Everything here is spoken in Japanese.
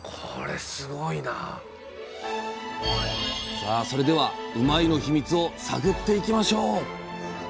さあそれではうまいッ！のヒミツを探っていきましょう。